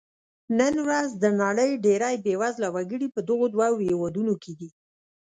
نن ورځ د نړۍ ډېری بېوزله وګړي په دغو دوو هېوادونو کې دي.